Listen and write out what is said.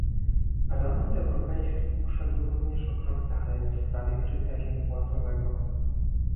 Parlament Europejski poszedł również o krok dalej w sprawie kryterium płacowego